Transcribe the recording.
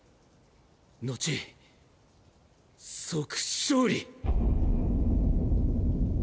後即勝利！